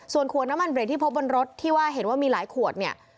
ส่วนขวดน้ำมันเรทที่พบบนรถที่ว่าเห็นว่ามีหลายขวดเนี่ย